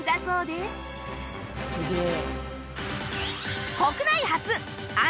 「すげえ」